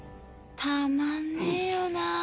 たまんねえよな。